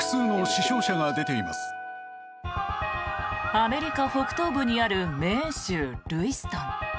アメリカ北東部にあるメーン州ルイストン。